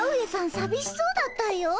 さびしそうだったよ。